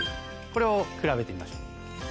これを比べてみましょう。